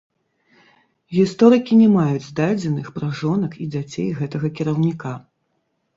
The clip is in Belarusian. Гісторыкі не маюць дадзеных пра жонак і дзяцей гэтага кіраўніка.